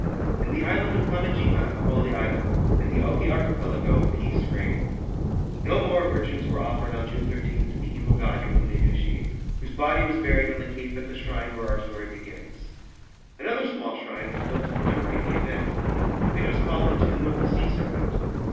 In the island of Kamijima (Holy Island) in the Oki Archipelago peace reigned. No more virgins were offered on June 13 to the evil god, Yofune Nushi, whose body was buried on the Cape at the shrine where our story begins. Another small shrine was built to commemorate the event. It was called the Tomb of the Sea Serpent.